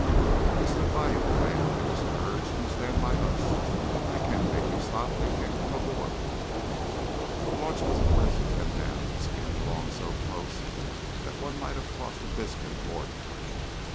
"We stood by you, old man," Emerson urged; "you stand by us. They can't make you stop. They can't come aboard." The launch was abreast of them now, and skimming along so close that one might have tossed a biscuit aboard of her.